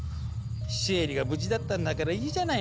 シエリが無事だったんだからいいじゃないの。